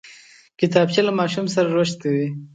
کتابچه له ماشوم سره رشد کوي